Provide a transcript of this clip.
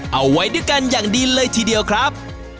เอาไว้ด้วยกันอย่างดีเลยทีเดียวครับ